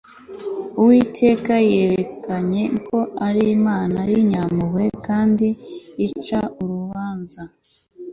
uwiteka yiyerekanye ko ari imana y'inyampuhwe kandi ica urubanza